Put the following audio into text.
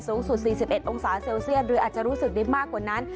สูงสุด๔๑องศาเซลเซียสหรืออาจจะรู้สึกได้มากกว่านั้น